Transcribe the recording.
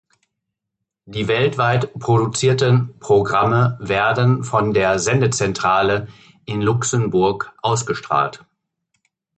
Die weltweit produzierten Programme werden von der Sendezentrale in Luxemburg ausgestrahlt.